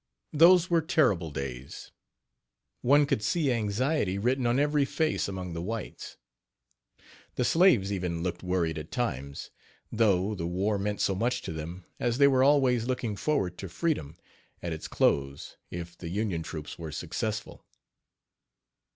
Those were terrible days. One could see anxiety written on every face among the whites. The slaves even looked worried at times, though the war meant so much to them, as they were always looking forward to freedom, at its close, if the Union troops were successful.